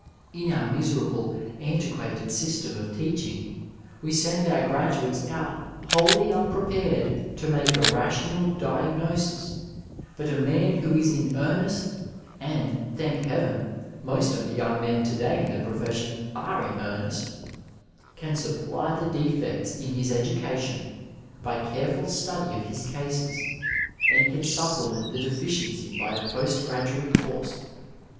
In our miserable, antiquated system of teaching we send our graduates out wholly unprepared to make a rational diagnosis, but a man who is in earnest — ^and, thank heaven ! most of the young men to day in the profession are in earnest— <;an supply the defects in his education by careful study of his cases, and can supplement the deficiency by a post graduate course.